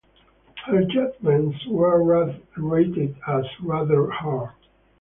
Her judgments were rated as rather hard.